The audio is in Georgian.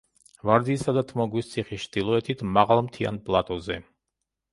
ვარძიისა და თმოგვის ციხის ჩრდილოეთით, მაღალ მთიან პლატოზე.